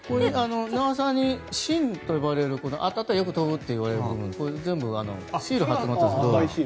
名和さんに芯と呼ばれる当たったら飛ぶといわれる全部シールを張ってもらったんです。